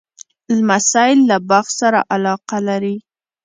لمسی له باغ سره علاقه لري.